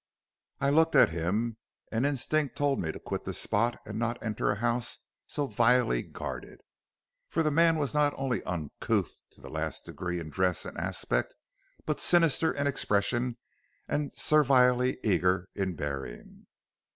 "I looked at him, and instinct told me to quit the spot and not enter a house so vilely guarded. For the man was not only uncouth to the last degree in dress and aspect, but sinister in expression and servilely eager in bearing.